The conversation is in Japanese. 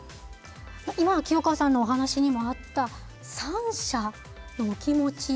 今、清川さんのお話にもあった３者の気持ち